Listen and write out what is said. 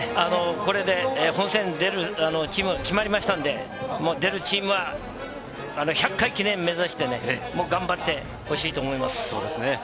これで本選出るチームが決まりましたんで、出るチームは１００回記念を目指して頑張ってほしいと思います。